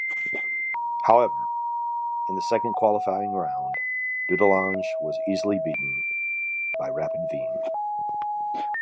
However, in the second qualifying round, Dudelange was easily beaten by Rapid Wien.